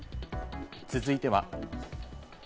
続いては。